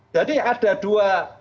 jadi ada dua